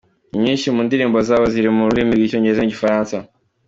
Inyinshi mu ndirimbo zabo ziri mu rurimi rw’Icyongereza n’Igifaransa.